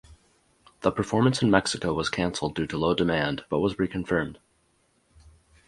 The performance in Mexico was canceled due to low demand but was reconfirmed.